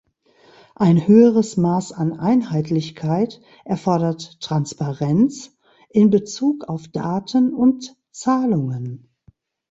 Ein höheres Maß an Einheitlichkeit erfordert Transparenz in Bezug auf Daten und Zahlungen.